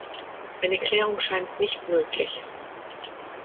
Eine Klärung scheint nicht möglich.